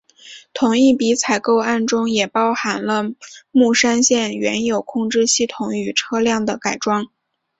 同一笔采购案中也包含了木栅线原有控制系统与车辆的改装。